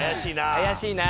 怪しいな。